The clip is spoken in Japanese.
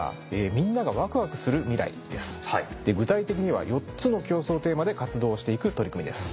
具体的には４つの共創テーマで活動をしていく取り組みです。